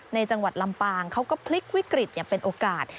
จังหวัดลำปางเขาก็พลิกวิกฤตอย่างเป็นโอกาส